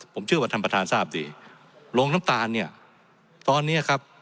ผมเชื่อว่าท่านประธานทราบดีโรงน้ำตาลเนี่ยตอนเนี้ยครับ